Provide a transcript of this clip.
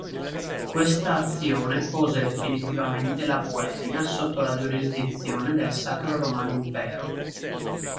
Questa azione pose definitivamente la Boemia sotto la giurisdizione del Sacro Romano Impero.